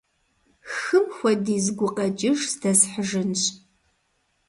«Хым хуэдиз» гукъэкӀыж здэсхьыжынщ.